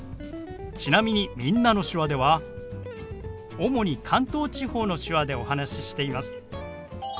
ちなみに「みんなの手話」では主に関東地方の手話でお話ししています。